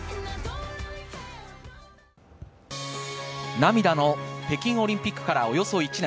涙の北京オリンピックからおよそ１年。